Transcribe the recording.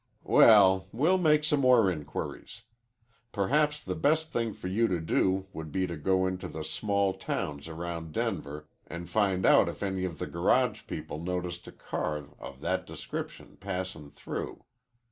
"Well, we'll make some more inquiries. Perhaps the best thing for you to do would be to go out to the small towns around Denver an' find out if any of the garage people noticed a car of that description passin' through.